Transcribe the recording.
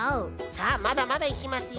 さあまだまだいきますよ。